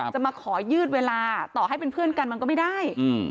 จะมาขอยืดเวลาต่อให้เป็นเพื่อนกันมันก็ไม่ได้